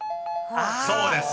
［そうです。